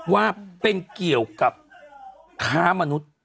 ว่าเป็นเกี่ยวกับค้ามนุษย์